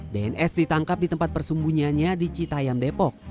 dns ditangkap di tempat persembunyiannya di citayam depok